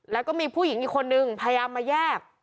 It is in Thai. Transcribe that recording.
แล้วก็มีผู้หญิงอีกคนนึงพยายามมาแยก